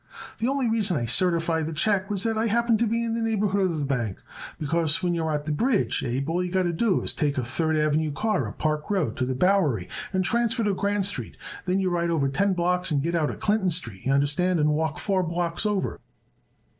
"The only reason I certified the check was that I happened to be in the neighborhood of the bank, because when you are at the Bridge, Abe, all you got to do is to take a Third Avenue car up Park Row to the Bowery and transfer to Grand Street. Then you ride over ten blocks and get out at Clinton Street, y'understand, and walk four blocks over.